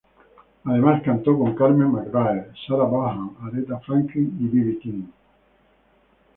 Además cantó con Carmen McRae, Sarah Vaughan, Aretha Franklin y B. B. King.